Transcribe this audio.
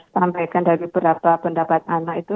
sampaikan dari beberapa pendapat anak itu